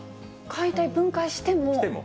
解体、分解しても？